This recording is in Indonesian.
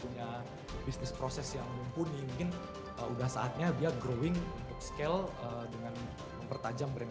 punya bisnis proses yang mumpuni mungkin udah saatnya dia growing untuk scale dengan mempertajam brand